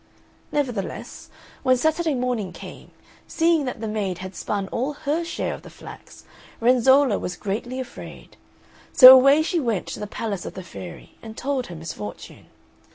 Nevertheless, when Saturday morning came, seeing that the maid had spun all her share of the flax, Renzolla was greatly afraid; so away she went to the palace of the fairy and told her misfortune.